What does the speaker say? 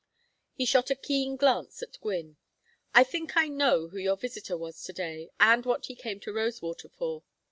He shot a keen glance at Gwynne. "I think I know who your visitor was, to day, and what he came to Rosewater for.